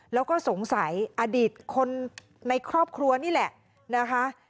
แล้วก็สงสัยอดีตคนในครอบครัวนี่แหละนะคะ